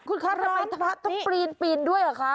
คุณคะทำไมพระต้องปีนปีนด้วยเหรอคะ